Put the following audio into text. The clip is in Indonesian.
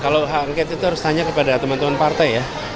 kalau hak angket itu harus tanya kepada teman teman partai ya